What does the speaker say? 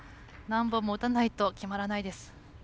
何本も打たないと決まらないです。